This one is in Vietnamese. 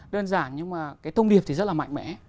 đơn giản nhưng mà cái thông điệp thì rất là mạnh mẽ